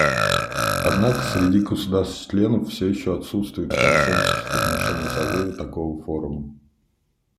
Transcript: Однако среди государств-членов все еще отсутствует консенсус в отношении созыва такого форума.